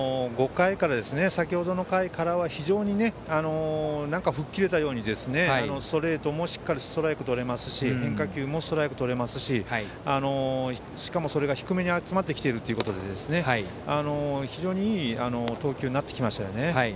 先程の５回からは非常に吹っ切れたようにストレートもしっかりストライクをとれますし変化球もストライクをとれますししかも、それが低めに集まってきているということで非常にいい投球になってきました。